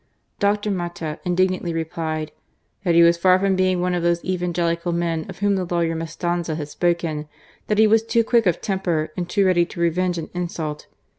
Dr. Mata indignantly replied "that THE FALL OF PRESIDENT CARRION. i8i he was far from being one of those evangelical men of whom the lawyer Mestanza had spoken : that he was too quick of temper and too ready to revenge an insult.